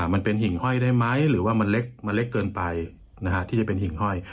มันเป็นหิ่งห้อยได้ไหมหรือว่ามันเล็กมันเล็กเกินไปที่จะเป็นหิ่งห้อย